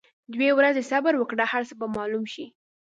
دوه ورځي صبر وکړه هرڅۀ به معلوم شي.